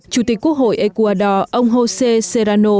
chủ tịch quốc hội ecuador ông josé serrano